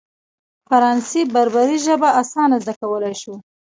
فرانسې بربري ژبه اسانه زده کولای شو.